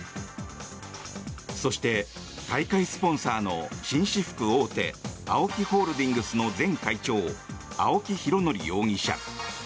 そして、大会スポンサーの紳士服大手ＡＯＫＩホールディングスの前会長、青木拡憲容疑者。